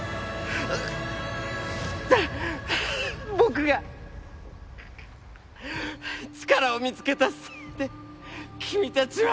僕が力を見つけたせいで君たちは。